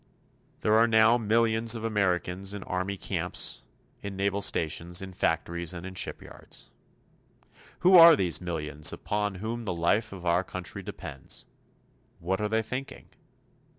There are now millions of Americans in army camps, in naval stations, in factories and in shipyards. Who are these millions upon whom the life of our country depends? What are they thinking?